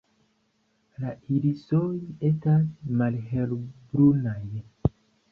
La irisoj estas malhelbrunaj.